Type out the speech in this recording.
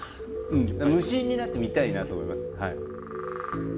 無心になって見たいなと思います。